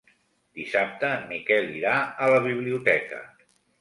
Dissabte en Miquel irà a la biblioteca.